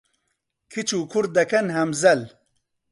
کچ و کوڕ دەکەن هەمزەل